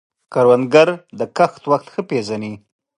کروندګر د کښت وخت ښه پېژني